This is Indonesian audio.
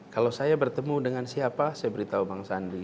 kalau saya bertemu dengan siapa saya beritahu bang sandi